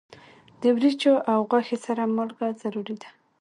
د وریجو او غوښې سره مالګه ضروری ده.